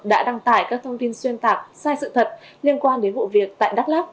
đã đăng tải các thông tin xuyên tạc sai sự thật liên quan đến vụ việc tại đắk lắc